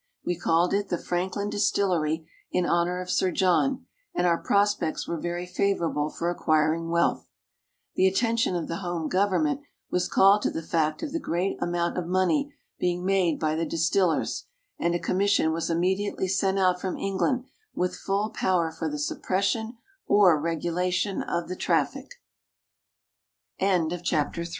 We called it the Franklin Distillery, in honor of Sir John, and our prospects were very favorable for acquiring wealth. The attention of the home government was called to the fact of the great amount of money being made by the distillers, and a commission was imme diately sent out from England with full power f